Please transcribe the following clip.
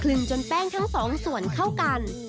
จนแป้งทั้งสองส่วนเข้ากัน